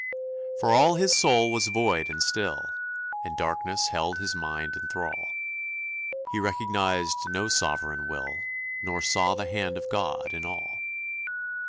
For all his soul was void and still, And darkness held his mind in thrall; He recognized no Sovereign Will, Nor saw the hand of God in all.